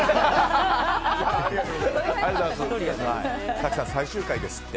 早紀さん、最終回ですって。